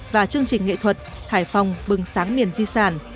và chương trình nghệ thuật hải phòng bừng sáng miền di sản